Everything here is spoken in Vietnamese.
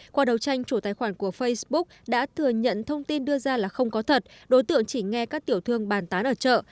qua đầu tranh chủ tài khoản của facebook đã thừa nhận thông tin đưa ra là không có thật đối tượng chỉ nghe các tiểu thương bàn tán ở chợ